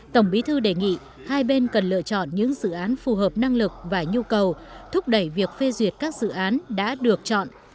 tổng bí thư đề nghị hai bên cần lựa chọn những dự án phù hợp năng lực và nhu cầu thúc đẩy việc phê duyệt các dự án đã được chọn